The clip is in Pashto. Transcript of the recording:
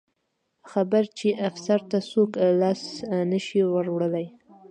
خبر چې افسر ته څوک لاس نه شي وروړلی.